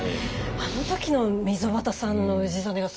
あの時の溝端さんの氏真がすごい鬼気迫る。